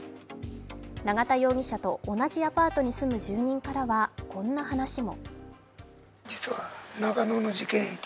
永田容疑者と同じアパートに住む住人からは、こんな話も。